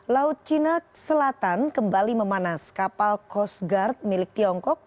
laut cina selatan kembali memanas kapal coast guard milik tiongkok